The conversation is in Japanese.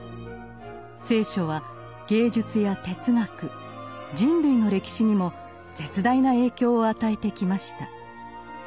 聖書は芸術や哲学人類の歴史にも絶大な影響を与えてきました。